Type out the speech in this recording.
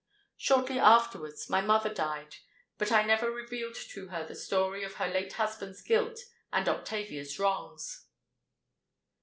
Shortly afterwards my mother died; but I never revealed to her the story of her late husband's guilt and Octavia's wrongs."